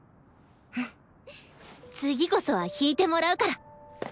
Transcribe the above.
次こそは弾いてもらうから！